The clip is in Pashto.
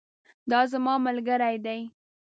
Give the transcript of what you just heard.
دا زما ملګری دی